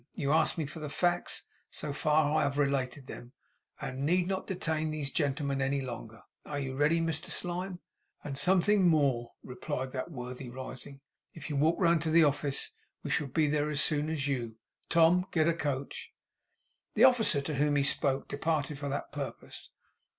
You asked me for the facts, so far I have related them, and need not detain these gentlemen any longer. Are you ready, Mr Slyme?' 'And something more,' replied that worthy, rising. 'If you walk round to the office, we shall be there as soon as you. Tom! Get a coach!' The officer to whom he spoke departed for that purpose.